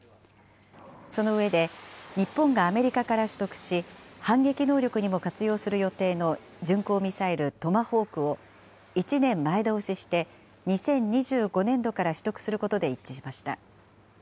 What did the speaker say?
その上で、日本がアメリカから取得し、反撃能力にも活用する予定の巡航ミサイル、トマホークを１年前倒しして、２０２５年度から取得することで一致しました。